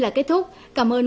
xin kính chào tạm biệt